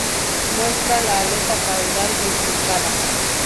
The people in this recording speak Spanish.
Muestra la aleta caudal bifurcada.